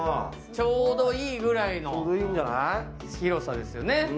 ちょうどいいぐらいの広さですよね。